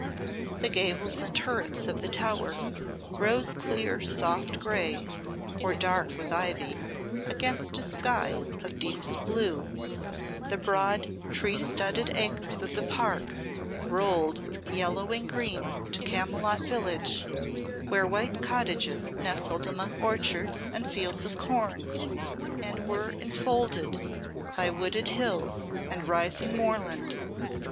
The gables and turrets of the tower rose clear soft grey, or dark with ivy, against a sky of deepest blue, the broad tree studded acres of the park rolled yellowing green to Camylott village, where white cottages nestled among orchards and fields of corn and were enfolded by wooded hills and rising moorland.